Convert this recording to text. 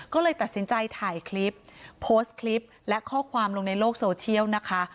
ก็เลยตัดสินใจถ่ายคลิปโพสต์คลิปและข้อความลงในโลกโซเชียลนะคะ